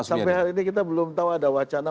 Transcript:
sampai hari ini kita belum tahu ada wacana